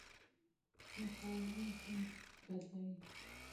مطالعه مو ژوند بدلوي.